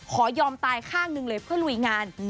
ยอมตายข้างหนึ่งเลยเพื่อลุยงาน